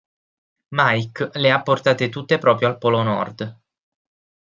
Mike le ha portate tutte proprio al Polo Nord.